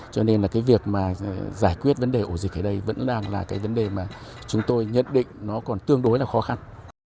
cho nên là cái việc mà giải quyết vấn đề ổ dịch ở đây vẫn đang là cái vấn đề mà chúng tôi nhận định nó còn tương đối là khó khăn